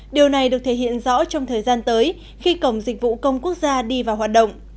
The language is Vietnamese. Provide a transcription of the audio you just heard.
điều này được thể hiện rõ trong thời gian tới khi cổng dịch vụ công quốc gia đi vào hoạt động